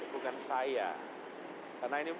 bukan saya karena ini